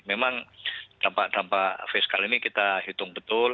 memang dampak dampak fiskal ini kita hitung betul